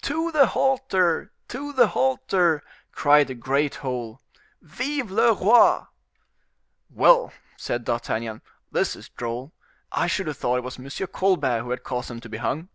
"To the halter! to the halter!" cried the great whole; "Vive le roi!" "Well," said D'Artagnan, "this is droll; I should have thought it was M. Colbert who had caused them to be hung."